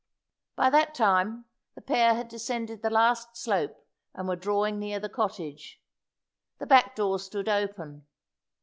By that time the pair had descended the last slope, and were drawing near the cottage. The back door stood open.